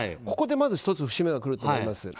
ここでまず１つ節目が来ると思います。